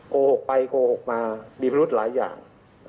โกหกไปโกหกมามีพิรุธหลายอย่าง